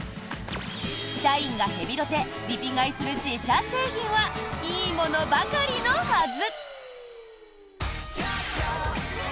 社員がヘビロテ・リピ買いする自社製品はいいものばかりのはず！